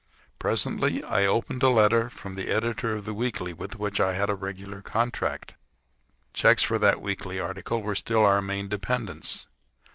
Presently I opened a letter from the editor of the weekly with which I had a regular contract. The checks for that weekly article were still our main dependence.